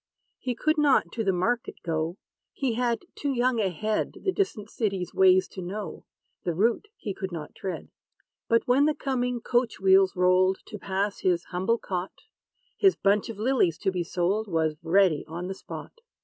He could not to the market go: He had too young a head, The distant city's ways to know; The route he could not tread. But, when the coming coach wheels rolled To pass his humble cot, His bunch of lilies to be sold Was ready on the spot.